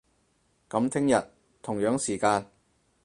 噉聽日，同樣時間